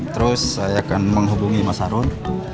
terus saya akan menghubungi mas harun